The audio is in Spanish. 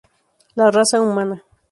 La raza humana".